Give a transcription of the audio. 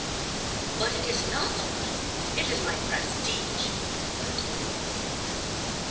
"But it is not the money, it is my prestige," declared the landlady.